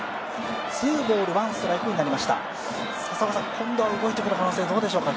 今度は動いてくる可能性どうでしょうか？